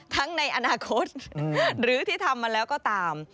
ในอนาคตหรือที่ทำมาแล้วก็ตาม